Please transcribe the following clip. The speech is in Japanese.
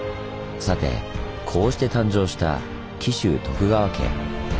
さてこうして誕生した紀州徳川家。